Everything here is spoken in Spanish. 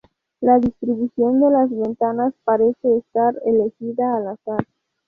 La distribución de las ventanas parece estar elegida al azar.